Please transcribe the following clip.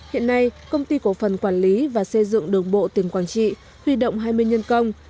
hiện nay công ty cổ phần quản lý và xây dựng đường bộ tỉnh quảng trị huy động hai mươi nhân công